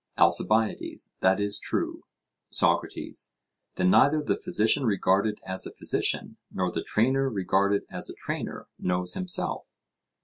ALCIBIADES: That is true. SOCRATES: Then neither the physician regarded as a physician, nor the trainer regarded as a trainer, knows himself?